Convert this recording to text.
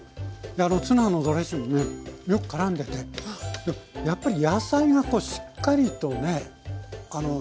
ツナのドレッシングねよくからんでてやっぱり野菜がこうしっかりとねしてますよね